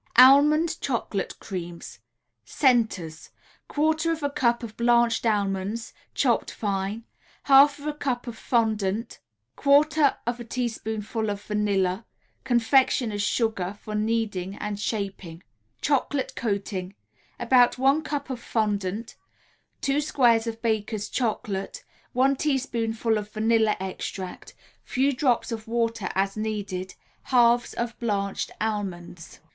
ALMOND CHOCOLATE CREAMS CENTERS 1/4 a cup of blanched almonds, chopped fine, 1/2 a cup of fondant, 1/4 a teaspoonful of vanilla, Confectioner's sugar for kneading and shaping. CHOCOLATE COATING About 1 cup of fondant, 2 squares of Baker's Chocolate, 1 teaspoonful of vanilla extract, Few drops of water, as needed, Halves of blanched almonds.